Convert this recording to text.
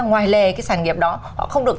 ngoài lề cái sản nghiệp đó họ không được